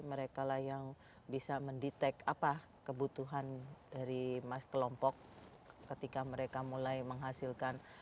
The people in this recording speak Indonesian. mereka lah yang bisa mendetek apa kebutuhan dari kelompok ketika mereka mulai menghasilkan